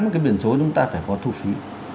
một cái biển số chúng ta phải có thu phí